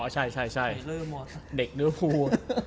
อ๋อใช่เด็กเนื้อครู